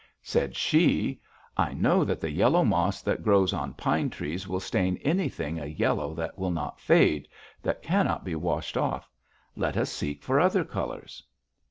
"Said she, 'I know that the yellow moss that grows on pine trees will stain anything a yellow that will not fade, that cannot be washed off. Let us seek for other colors.'